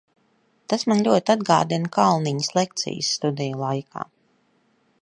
Tas man ļoti atgādina Kalniņas lekcijas studiju laikā.